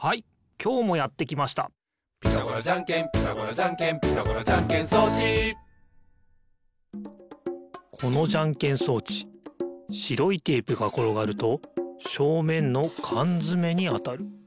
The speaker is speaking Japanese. きょうもやってきました「ピタゴラじゃんけんピタゴラじゃんけん」「ピタゴラじゃんけん装置」このじゃんけん装置しろいテープがころがるとしょうめんのかんづめにあたる。